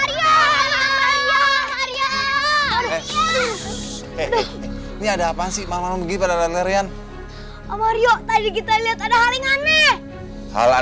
ini ada apa sih mau begitu dan aryan mario tadi kita lihat ada hal yang aneh hal hal